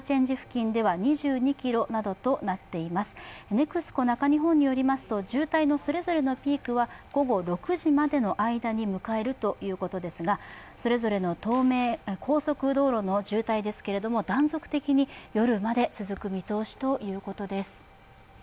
ＮＥＸＣＯ中日本によりますと渋滞のそれぞれのピークは午後６時までの間に迎えるということですが、それぞれの高速道路の渋滞は断続的に夜まで続く見通しということです。